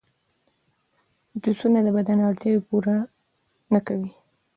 جوسونه د بدن اړتیاوې پوره نه کوي.